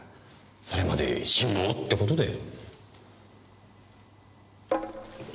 それまで辛抱ってことだよ。